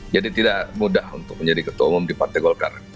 jadi tidak mudah untuk menjadi ketua umum di partai golkar